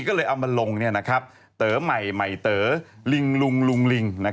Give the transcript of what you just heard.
ก็เลยเอามาลงเต๋อใหม่เต๋อลิงลุงลิง